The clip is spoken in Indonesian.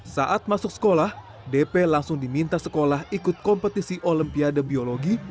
saat masuk sekolah dp langsung diminta sekolah ikut kompetisi olimpiade biologi